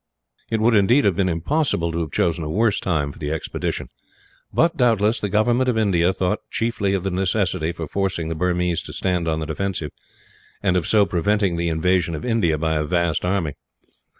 It would indeed have been impossible to have chosen a worse time for the expedition but, doubtless, the government of India thought chiefly of the necessity for forcing the Burmese to stand on the defensive, and of so preventing the invasion of India by a vast army.